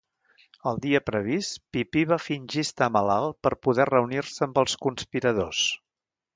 El dia previst, Pipí va fingir estar malalt per poder reunir-se amb els conspiradors.